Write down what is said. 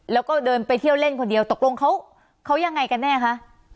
แล้วก็เดินไปเที่ยวเล่นคนเดียวตกลงเขายังไงกันแน่คะ